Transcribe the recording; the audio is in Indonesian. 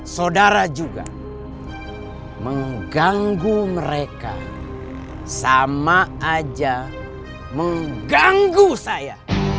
saudara juga mengganggu mereka sama aja mengganggu saya